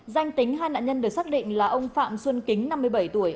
danh tính hai nạn nhân được xác định là ông phạm xuân kính năm mươi bảy tuổi